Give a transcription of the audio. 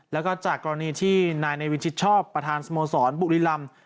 แล้วก็จากกรณีที่นายในวินชิดชอบประธานสโมสรบุรีลำ